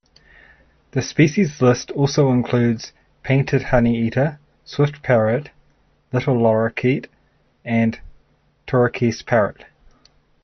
The species list also includes painted honeyeater, swift parrot, little lorikeet and turquoise parrot.